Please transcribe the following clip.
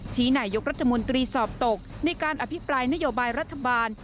นายกรัฐมนตรีสอบตกในการอภิปรายนโยบายรัฐบาล